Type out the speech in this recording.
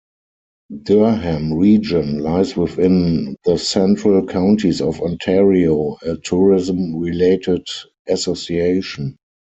Durham Region lies within the Central Counties of Ontario, a tourism-related association.